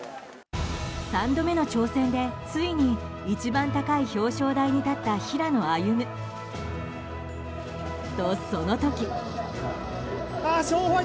３度目の挑戦でついに一番高い表彰台に立った平野歩夢。と、その時。